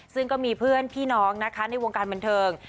ซึ่งก็มีเพื่อนพี่น้องนะคะในวงการบันเทิง